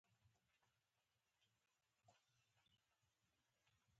ورو په ورو یې ور په زړه زړې نغمې کړې